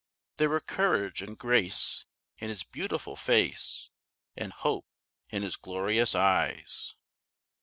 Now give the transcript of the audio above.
There were courage and grace in his beautiful face, And hope in his glorious eyes.